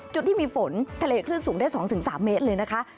จุดที่มีฝนทะเลคลื่นสูงได้๒๓เมตรเลยนะคะ